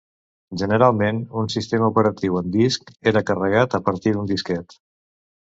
Generalment, un sistema operatiu en disc era carregat a partir d'un disquet.